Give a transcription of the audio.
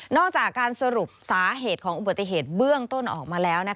อกจากการสรุปสาเหตุของอุบัติเหตุเบื้องต้นออกมาแล้ว